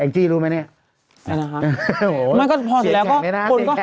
แอ้งจี้รู้ไหมนี่โอ้โฮเสียงแข็งเลยนะ